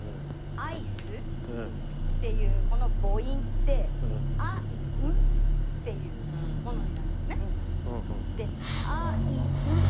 アイスっていうこの母音って「ａｉｕ」っていうものになるんですね。